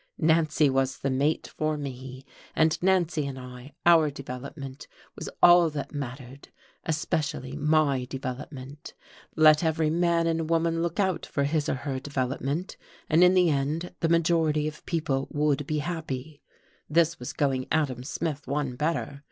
Nancy was the mate for me, and Nancy and I, our development, was all that mattered, especially my development. Let every man and woman look out for his or her development, and in the end the majority of people would be happy. This was going Adam Smith one better.